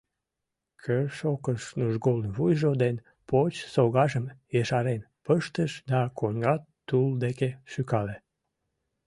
Кӧршӧкыш нужголын вуйжо ден поч согажым ешарен пыштыш да коҥга тул деке шӱкале.